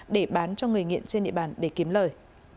để bán cho người nghiện trên địa bàn để kiếm lời